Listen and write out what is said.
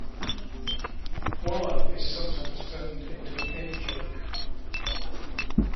Walla is sometimes turned into an in-joke.